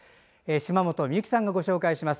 島本美由紀さんがご紹介します。